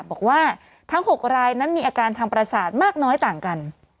บอกว่าทั้ง๖รายนั้นมีอาการทางประสาทมากน้อยต่างกัน